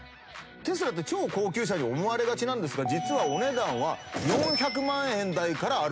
テスラって超高級車に思われがちなんですが実はお値段は４００万円台からあると。